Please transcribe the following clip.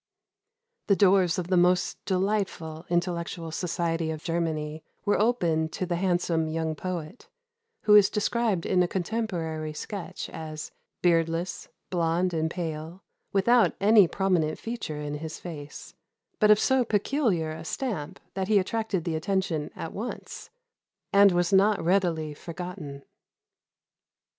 The doors of the most delightful, intellectual society of Germany were opened to the handsome young poet, who is described in a contemporary sketch as "beardless, blonde and pale, without any prominent feature in his face, but of so peculiar a stamp that he attracted the attention at once, and was not readily forgotten."